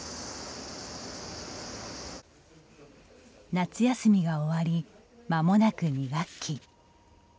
夏休みが終わりまもなく２学期。